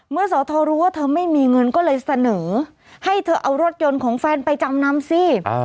สอทรรู้ว่าเธอไม่มีเงินก็เลยเสนอให้เธอเอารถยนต์ของแฟนไปจำนำสิ